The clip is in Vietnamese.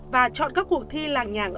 và chọn các cuộc thi làng nhàng